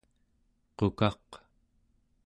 qukaq